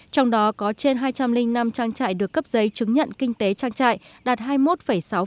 trong đó có trên hai trăm linh năm trang trại được cấp giấy chứng nhận kinh tế trang trại đạt hai mươi một sáu